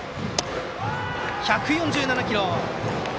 １４７キロ！